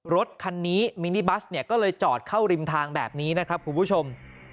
รถคันนี้มินิบัสเนี่ยก็เลยจอดเข้าริมทางแบบนี้นะครับคุณผู้ชม